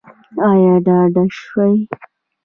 ایا ډاډه شوئ؟